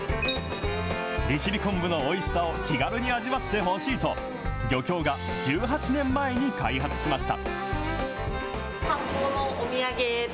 利尻昆布のおいしさを気軽に味わってほしいと、漁協が１８年前に開発しました。